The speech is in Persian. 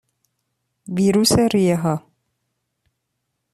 ویروس ریهها